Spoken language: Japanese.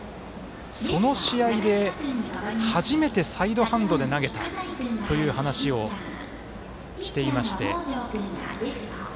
その試合で初めてサイドハンドで投げたという話をしていまして。